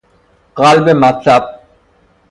قلب مطلب